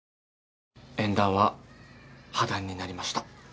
縁談は破談になりました。